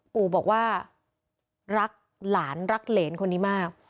ปู่บอกว่ารักหลานรักเหรนคนนี้มาก